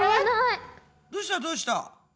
どうしたどうした？